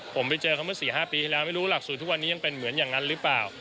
ผมไปเจอเขาเมื่อ๔๕ปีที่แล้วไม่รู้หลักสูตรทุกวันนี้ยังเป็นเหมือนอย่างนั้นหรือเปล่า